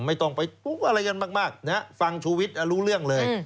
ไม่ต้องไปอะไรกันมากฟังชุวิตรู้เรื่องเลย